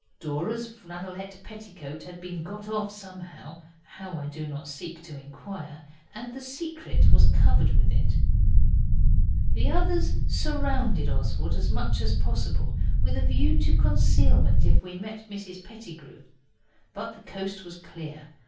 Dora's flannelette petticoat had been got off somehow how I do not seek to inquire and the Secret was covered with it. The others surrounded Oswald as much as possible, with a view to concealment if we met Mrs Pettigrew. But the coast was clear.